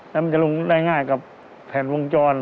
แล้วมันจะลงได้ง่ายกับแผ่นวงจร